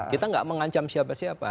kita nggak mengancam siapa siapa